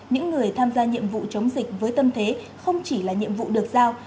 những người tham gia nhiệm vụ chống dịch với tâm thế không chỉ là nhiệm vụ được giao